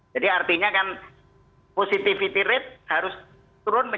jadi artinya kan positivity rate harus dikurangkan